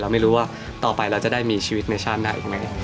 ไม่รู้ว่าต่อไปเราจะได้มีชีวิตในชาติหน้าอีกไหม